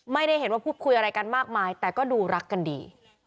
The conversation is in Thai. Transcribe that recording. ไม่ได้เห็นว่าพูดคุยอะไรกันมากมายแต่ก็ดูรักกันดี